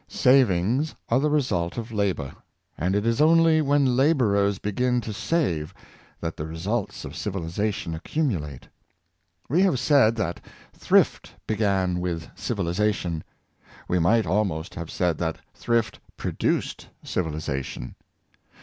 Savings are the result of labor; and it is only when laborers begin to save that the re sults of civilization accumulate. We have said that thrift began with civilization; we might almost have said that thrift produced civilization.